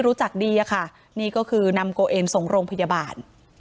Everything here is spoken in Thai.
รู้จักดีอะค่ะนี่ก็คือนำโกเอนส่งโรงพยาบาล